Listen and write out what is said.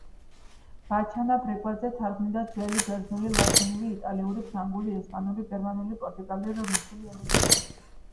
ბაჩანა ბრეგვაძე თარგმნიდა ძველი ბერძნული, ლათინური, იტალიური, ფრანგული, ესპანური, გერმანული, პორტუგალიური, რუსული ენებიდან.